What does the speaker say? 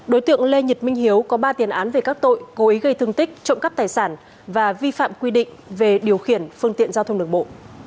đối tượng lê nhật minh hiếu có ba tiền án về các tội cố ý gây thương tích trộm cắp tài sản và vi phạm quy định về điều khiển phương tiện giao thông đường bộ